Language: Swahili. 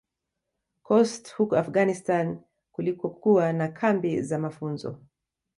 Khost huko Afghanistan kulikokuwa na kambi za mafunzo